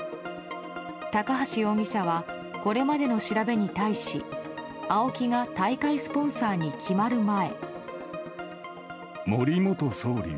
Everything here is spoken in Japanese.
高橋容疑者はこれまでの調べに対しＡＯＫＩが大会スポンサーに決まる前。